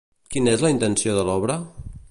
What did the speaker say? Quina és la intenció de l'obra?